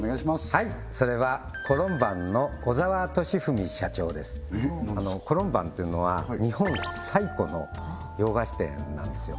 はいそれはコロンバンっていうのは日本最古の洋菓子店なんですよ